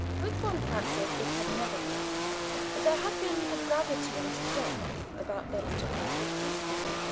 With von Francius it had never been thus, but there had been a gravity and depth about their intercourse which pleased me.